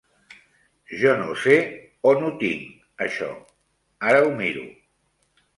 Jo no sé on ho tinc, això, ara ho miro.